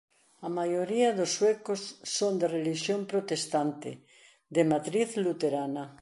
A maioría dos suecos son de relixión protestante de matriz luterana.